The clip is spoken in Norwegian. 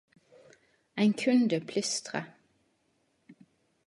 Ein kunde plystre.